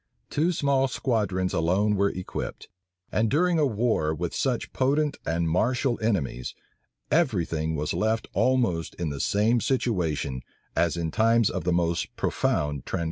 Two small squadrons alone were equipped, and during a war with such potent and martial enemies, every thing was left almost in the same situation as in times of the most profound tranquillity.